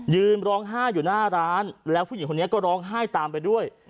ยืนร้องไห้อยู่หน้าร้านแล้วผู้หญิงคนนี้ก็ร้องไห้ตามไปด้วย